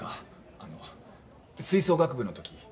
あの吹奏楽部のとき